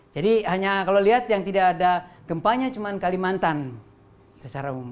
jadi hanya kalau lihat yang tidak ada gempanya cuma kalimantan secara umum